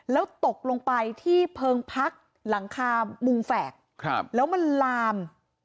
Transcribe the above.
แล้วตกลงไปที่เพิงพักหลังคามุงแฝกแล้วมันลาม